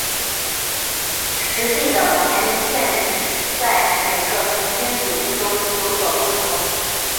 实际的年龄限制在每个童军组织中有所不同。